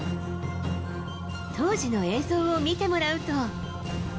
当時の映像を見てもらうと。